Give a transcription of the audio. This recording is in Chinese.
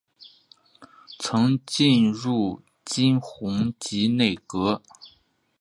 曾进入金弘集内阁。